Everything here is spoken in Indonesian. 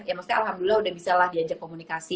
ya maksudnya alhamdulillah udah bisa lah diajak komunikasi